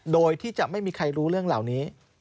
โดยที่จะไม่มีใครรู้เรื่องเหล่านี้